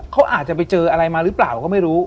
เขาอาจจะไปเจออะไรมาหรือเปล่าก็ไม่รู้